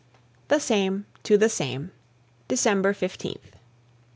THE SAME TO THE SAME December 15th.